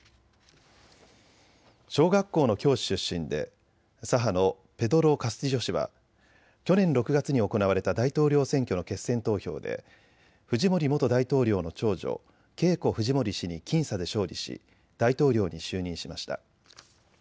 小学校の教師出身で左派のペドロ・カスティジョ氏は去年６月に行われた大統領選挙の決選投票でフジモリ元大統領の長女、ケイコ・フジモリ氏に僅差で勝利し大統領に就任しました。